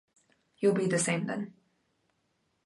You'll be the same then.